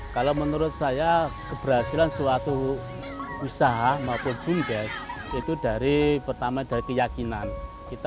kalau menurut saya keberhasilan suatu usaha maupun bumdes itu dari pertama dari keyakinan kita